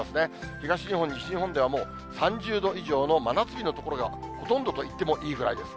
東日本、西日本ではもう３０度以上の真夏日の所がほとんどといっていいぐらいです。